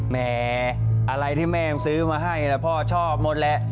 แม่อะไรที่แม่ซื้อมาให้พ่อชอบหมดแหละ